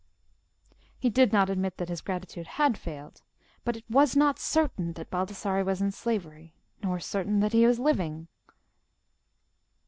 He did not admit that his gratitude had failed; but it was not certain that Baldassarre was in slavery, not certain that he was living.